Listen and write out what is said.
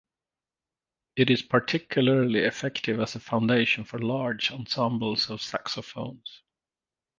It is particularly effective as a foundation for large ensembles of saxophones.